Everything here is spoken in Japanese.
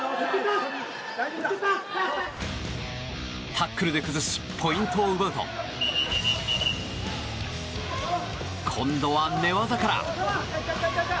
タックルで崩しポイントを奪うと今度は寝技から。